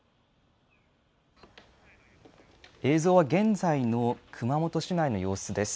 映像は現在の熊本市内の様子です。